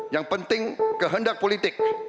yang penting kehendak politik